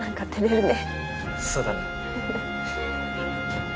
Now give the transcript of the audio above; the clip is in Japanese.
そうだね。